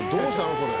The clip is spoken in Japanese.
それ。